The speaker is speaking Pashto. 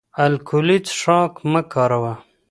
الکولي څښاک مه کاروه